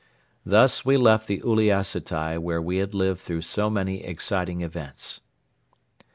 Thus we left the Uliassutai where we had lived through so many exciting events.